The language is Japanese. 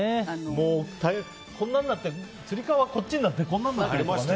もう、こんなんなってつり革がこっちになってこんなんなったり。